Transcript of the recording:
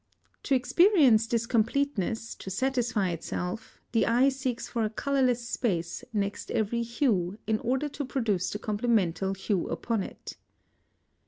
To experience this completeness, to satisfy itself, the eye seeks for a colourless space next every hue in order to produce the complemental hue upon it.